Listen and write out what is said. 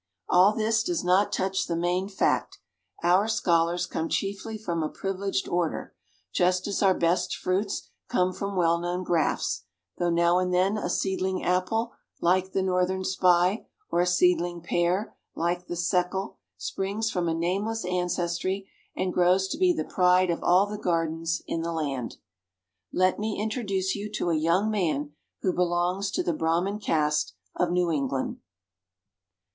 All this does not touch the main fact: our scholars come chiefly from a privileged order, just as our best fruits come from well known grafts, though now and then a seedling apple, like the Northern Spy, or a seedling pear, like the Seckel, springs from a nameless ancestry and grows to be the pride of all the gardens in the land. Let me introduce you to a young man who belongs to the Brahmin caste of New England.